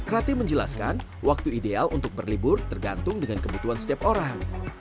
rati menjelaskan waktu ideal untuk berlibur tergantung dengan kebutuhan setiap orang